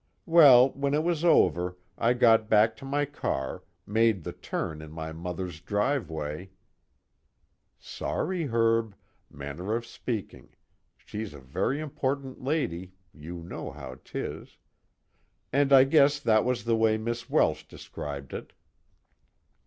Well, when it was over I got back to my car, made the turn in my mother's driveway " Sorry, Herb, manner of speaking: she's a very important lady, you know how 'tis "and I guess that was the way Miss Welsh described it."